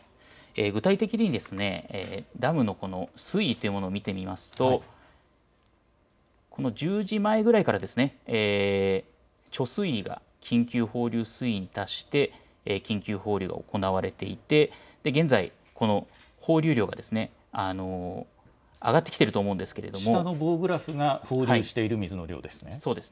具体的にダムの水位というものを見てみると１０時前ぐらいから貯水位が緊急放流水位に達して緊急放流が行われていて現在放流量が上がってきていると思うんですが、下の、棒グラフが放流している水の量ですね。